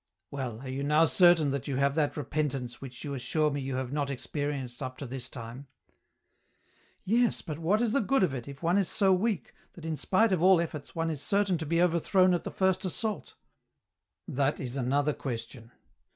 " Well, are you now certain that you have that repent ance which you assure me you have not experienced up to this time ?"" Yes, but what is the good of it, if one is so weak, that in spite of all efforts one is certain to be overthrown at the first assault ?" 82 EN ROUTE. " That is another question.